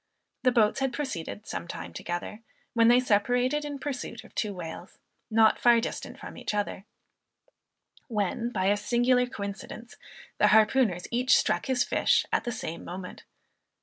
The boats had proceeded some time together, when they separated in pursuit of two whales, not far distant from each other; when, by a singular coincidence, the harpooners each struck his fish at the same moment.